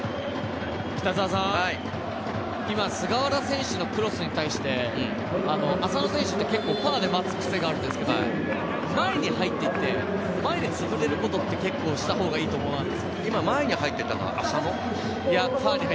今、菅原選手のクロスに対して浅野選手って結構ファーで待つ癖があるんですけど、前に入っていって、前で潰れることって結構したほうが今前に入っていったの浅野？